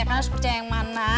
karena harus percaya yang mana